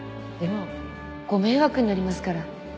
でもご迷惑になりますから。